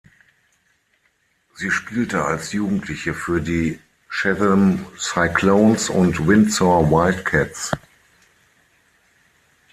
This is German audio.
Sie spielte als Jugendliche für die "Chatham Cyclones" und "Windsor Wildcats".